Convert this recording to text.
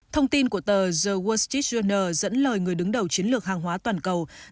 thông tin của tờ the world street journal dẫn lời người đứng đầu chiến lược hàng hóa toàn cầu